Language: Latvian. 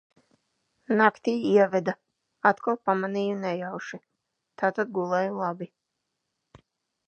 Naktī ieveda, atkal pamanīju nejauši, tātad gulēju labi!